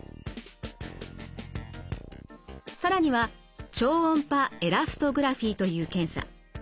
更には超音波エラストグラフィという検査。